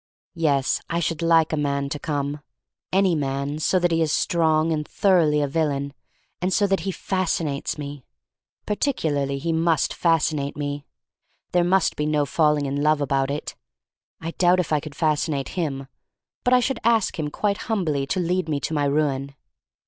Yes, I should like a man to come — any man so that he is strong and thoroughly a villain, and so that he fasci nates me. Particularly he must fasci nate me. There must be no falling in love about it. I doubt if I could fasci nate ' him, but I should ask him quite humbly to lead me to my ruin.